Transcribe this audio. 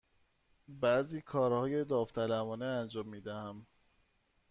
بعضی کارهای داوطلبانه انجام می دهم.